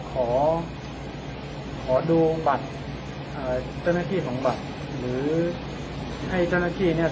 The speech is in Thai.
ขอขอดูบัตรเจ้าหน้าที่ของบัตรหรือให้เจ้าหน้าที่เนี่ย